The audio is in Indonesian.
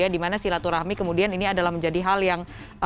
dimana silaturahmi kemudian ini adalah menjadi hal yang